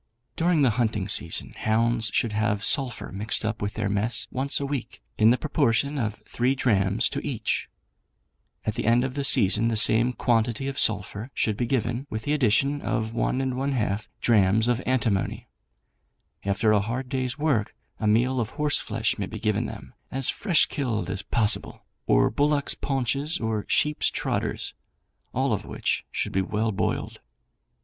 During the hunting season hounds should have sulphur mixed up with their mess once a week, in the proportion of 3 drachms to each. At the end of the season the same quantity of sulphur should be given, with the addition of 1½ drachms of antimony. After a hard day's work a meal of horse flesh may be given them, as fresh killed as possible, or bullocks' paunches or sheeps' trotters, all of which should be well boiled.